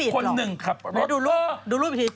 คนหนึ่งขับรถ